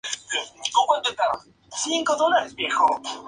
No es recomendable como fondeadero por las grandes profundidades de sus aguas.